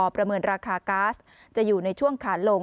ประเมินราคาก๊าซจะอยู่ในช่วงขาลง